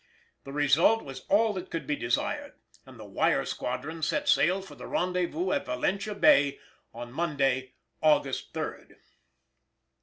The result was all that could be desired, and the Wire Squadron set sail for the rendezvous at Valentia Bay on Monday, August 3d.